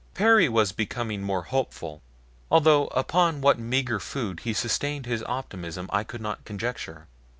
Perry was becoming more hopeful, although upon what meager food he sustained his optimism I could not conjecture.